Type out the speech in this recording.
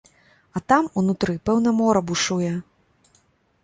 А там, унутры, пэўна, мора бушуе!